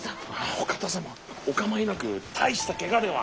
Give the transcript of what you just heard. お方様お構いなく大したけがでは。